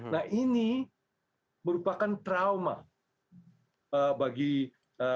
dari negara negara yang menjadi anggota nato itu